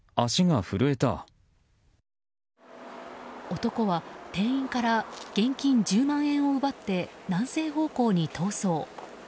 男は店員から現金１０万円を奪って南西方向に逃走。